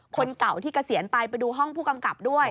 คนเก่าที่เกษียณไปไปดูห้องผู้กำกับด้วย